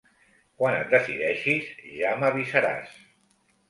Quan et decideixis, ja m'avisaràs.